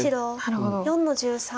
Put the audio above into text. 白４の十三。